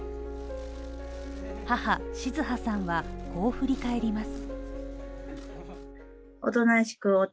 母、静葉さんはこう振り返ります。